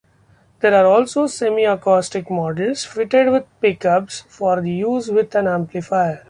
There are also semi-acoustic models, fitted with pickups, for use with an amplifier.